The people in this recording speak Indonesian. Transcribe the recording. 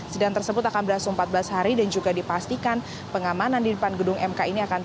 sidang tersebut akan berlangsung empat belas hari dan juga dipastikan pengamanan di depan gedung mk ini akan